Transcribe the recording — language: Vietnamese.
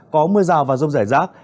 có mưa rào và rông rải rác